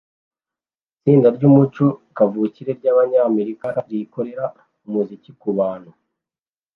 Itsinda ry’umuco kavukire ryabanyamerika rikora umuziki kubantu